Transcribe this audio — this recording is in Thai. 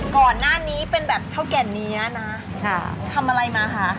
ก่อนหน้านี้เป็นแบบเท่าแก่เนื้อนะทำอะไรมาคะ